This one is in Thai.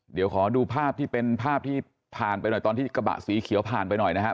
เดี๋ยวขอดูภาพที่เป็นภาพที่ผ่านไปหน่อยตอนที่กระบะสีเขียวผ่านไปหน่อยนะครับ